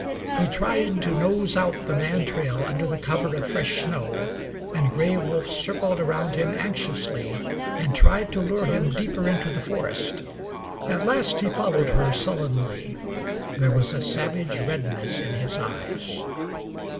He tried to nose out the man trail under the cover of fresh snow, and Gray Wolf circled around him anxiously, and tried to lure him deeper into the forest. At last he followed her sullenly. There was a savage redness in his eyes.